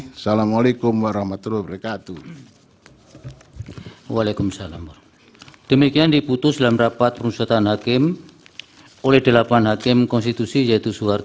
wassalamu alaikum warahmatullahi wabarakatuh